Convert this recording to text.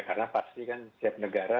karena pasti kan setiap negara